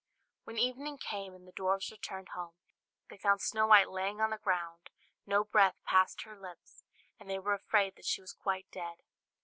When evening came, and the dwarfs returned home, they found Snow White lying on the ground; no breath passed her lips, and they were afraid that she was quite dead.